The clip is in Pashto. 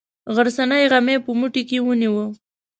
غرڅنۍ غمی په موټي کې ونیوه.